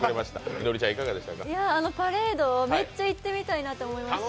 パレード、めっちゃ行ってみたいと思いました。